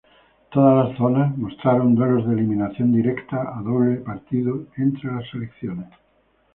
Todos las zonas mostraron duelos de eliminación directa a doble partido entre las selecciones.